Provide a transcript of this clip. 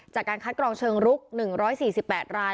จากการคัดกรองเชิงรุก๑๔๘ราย